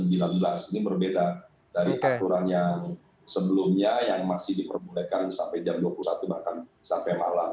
ini berbeda dari aturan yang sebelumnya yang masih diperbolehkan sampai jam dua puluh satu bahkan sampai malam